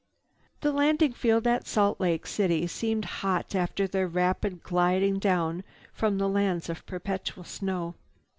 The landing field at Salt Lake City seemed hot after their rapid gliding down from the lands of perpetual snow.